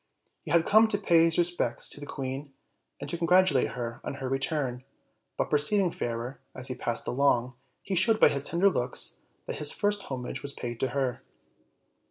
He had come to pay his respects to the queen, and to congratulate her on her return; but, perceiving Fairer as he passed along, he showed by his tender looks that his first homage was paid to her.